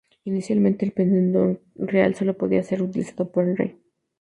Inicialmente, el pendón real solo podía ser utilizado por el rey.